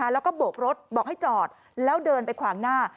แล้วก็โบกรถบอกให้จอดแล้วเดินไปขวางหน้า